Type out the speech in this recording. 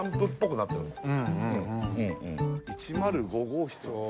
１０５号室。